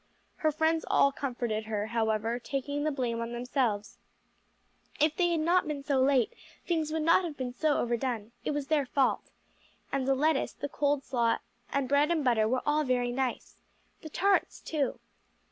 Her friends all comforted her, however, taking the blame on themselves. "If they had not been so late, things would not have been so overdone; it was their fault. And the lettuce, the cold slaw, and bread and butter were all very nice. The tarts too."